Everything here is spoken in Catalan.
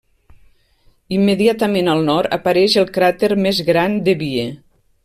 Immediatament al nord apareix el cràter més gran Debye.